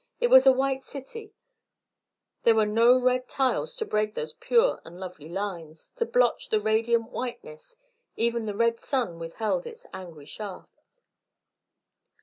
It was a white city; there were no red tiles to break those pure and lovely lines, to blotch that radiant whiteness; even the red sun withheld its angry shafts.